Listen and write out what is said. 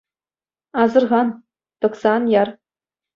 Асӑрхан, тӑкса ан яр.